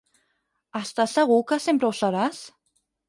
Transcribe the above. Estàs segur que sempre ho seràs?